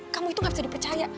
kamu itu gak bisa dipercaya